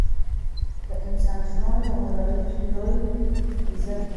د انسان ژوند ژغورل لوی عزت دی.